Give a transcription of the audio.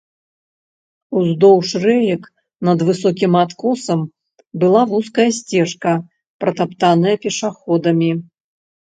Уздоўж рэек, над высокім адкосам, была вузкая сцежка, пратаптаная пешаходамі.